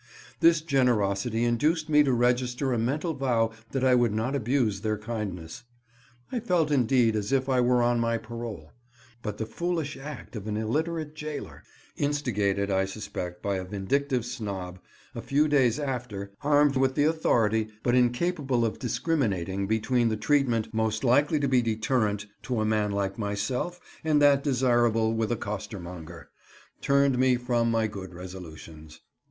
This generosity induced me to register a mental vow that I would not abuse their kindness. I felt indeed as if I were on my parole; but the foolish act of an illiterate jailor—instigated, I suspect, by a vindictive snob—a few days after, armed with the authority, but incapable of discriminating between the treatment most likely to be deterrent to a man like myself and that desirable with a costermonger, turned me from my good resolutions.